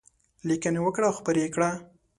لیکنې وکړه او خپرې یې کړه.